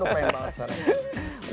aduh pengen banget soalnya